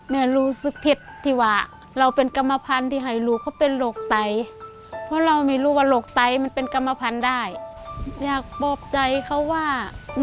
แม่รู้สึกผิดดีกว่า